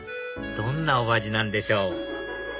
どんなお味なんでしょう？